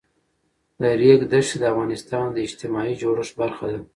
د ریګ دښتې د افغانستان د اجتماعي جوړښت برخه ده.